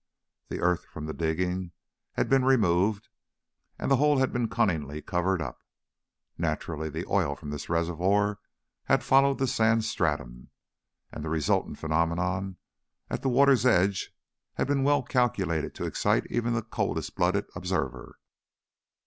The earth from the digging had been removed and the hole had been cunningly covered up. Naturally, the oil from this reservoir had followed the sand stratum and the resultant phenomenon at the water's edge had been well calculated to excite even the coldest blooded observer.